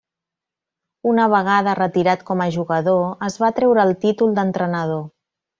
Una vegada retirat com a jugador es va treure el títol d'entrenador.